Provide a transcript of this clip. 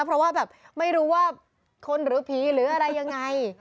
เพราะว่าแบบไม่รู้ว่าคนหรือผีหรืออะไรยังไง